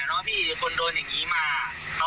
ปาดขอบก็เข้าใจนะพี่คนโดนอย่างนี้มา